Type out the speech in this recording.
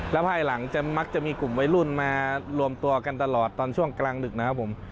แล้วภายหลังจะมักจะมีกลุ่มวัยรุ่นมารวมตัวกันตลอดตอนช่วงกลางดึกนะครับผม